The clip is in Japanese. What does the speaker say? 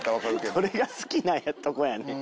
どれが好きなとこやねん？